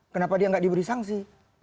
kenapa dia nggak diberi sanksi